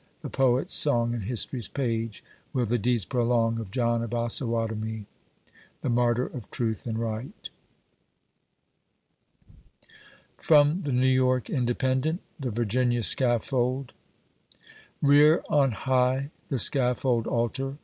The Poet's song and History's page will the deeds prolong of John of Osawatomie, The Martyr to Truth and Right ! 70 THR "VIRGINIA SCAFFOLD. [From the New York Independent.] , THE VIBCUNIA SCAFFOLD. Rear on high the scaffold altar